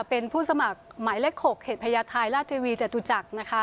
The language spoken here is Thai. เป็นผู้สมัครหมายเลข๖เหตุพยาทายราชดีวีจตุจักร